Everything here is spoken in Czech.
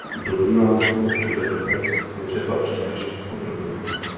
Domnívám se, že ten text nečetla příliš podrobně.